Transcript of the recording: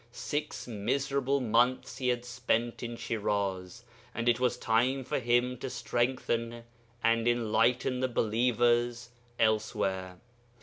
Six miserable months he had spent in Shiraz, and it was time for him to strengthen and enlighten the believers elsewhere.